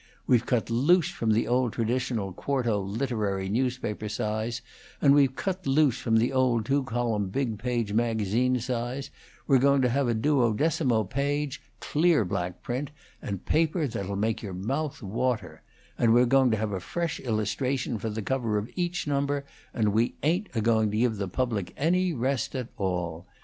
We've cut loose from the old traditional quarto literary newspaper size, and we've cut loose from the old two column big page magazine size; we're going to have a duodecimo page, clear black print, and paper that'll make your mouth water; and we're going to have a fresh illustration for the cover of each number, and we ain't agoing to give the public any rest at all.